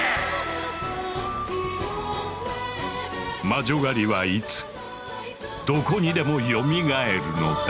魔女狩りはいつどこにでもよみがえるのだ。